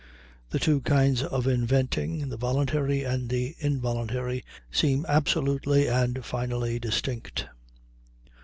The two kinds of inventing, the voluntary and the involuntary, seem absolutely and finally distinct.